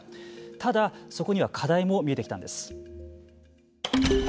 ただ、そこには課題も見えてきたんです。